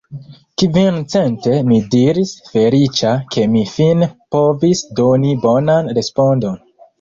Kvin cent! mi diris, feliĉa, ke mi fine povis doni bonan respondon.